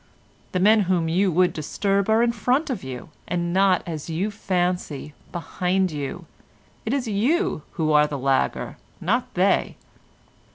The men whom you would disturb are in front of you, and not, as you fancy, behind you; it is you who are the lagger, not they."